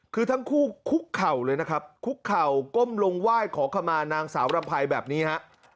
คือทั้งคู่คุกเข่าเลยนะครับคุกเข่าก้มลงไหว้ขอขมานางสาวรำภัยแบบนี้ฮะ